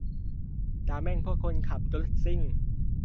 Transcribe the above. ด่าแม่งพวกคนขับรถซิ่ง